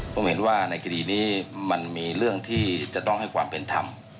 มันมีความเป็นธรรมที่จะต้องให้ความเป็นธรรม